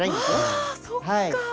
ああそっか！